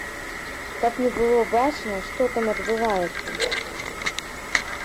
Каб не было бачна, што там адбываецца?